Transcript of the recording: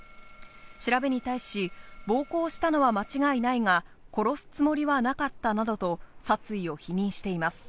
調べに対し、暴行したのは間違いないが、殺すつもりはなかったなどと殺意を否認しています。